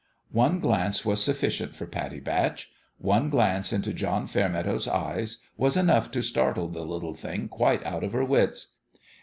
One glance was sufficient for Pattie Batch : one glance into John Fairmeadow's eyes was enough to startle the little thing quite out of her wits.